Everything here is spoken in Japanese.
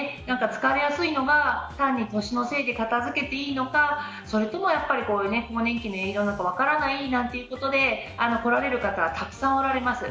疲れやすいのが単に年のせいで片づけていいのかそれとも更年期の影響なのか分からないなんていうことで来られる方はたくさんおられます。